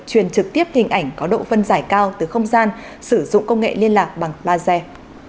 truyền trực tiếp hình ảnh có độ phân giải cao từ không gian sử dụng công nghệ liên lạc bằng laser